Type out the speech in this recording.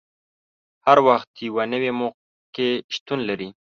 هر وخت یوه نوې موقع شتون لري.